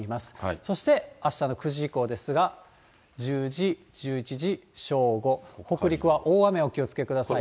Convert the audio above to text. そしてあしたの９時以降ですが、１０時、１１時、正午、北陸は大雨、お気をつけください。